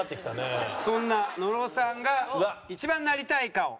そんな野呂さんが一番なりたい顔。